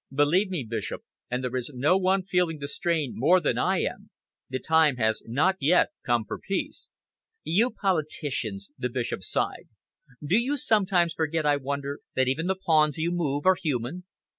Believe me, Bishop and there is no one feeling the strain more than I am the time has not yet come for peace." "You politicians!" the Bishop sighed. "Do you sometimes forget, I wonder, that even the pawns you move are human?"